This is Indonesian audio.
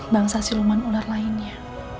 bangsa siluman ular lainnya